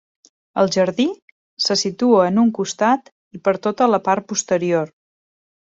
El jardí se situa en un costat i per tota la part posterior.